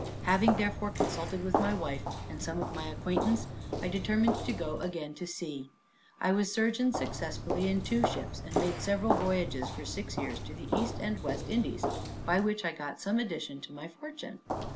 Having therefore consulted with my wife, and some of my acquaintance, I determined to go again to sea. I was surgeon successively in two ships, and made several voyages for six years to the East and West Indies, by which I got some addition to my fortune.